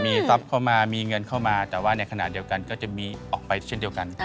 มีทรัพย์เข้ามามีเงินเข้ามาแต่ว่าในขณะเดียวกันก็จะมีออกไปเช่นเดียวกัน